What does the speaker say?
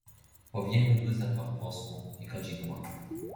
"Powiędły zapach wosku i kadzidła."